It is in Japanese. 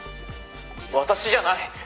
「私じゃない！」